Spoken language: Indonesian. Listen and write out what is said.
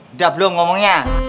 udah belum ngomongnya